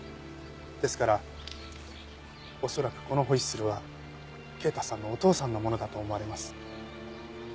ですから恐らくこのホイッスルは慶太さんのお父さんのものだと思われます。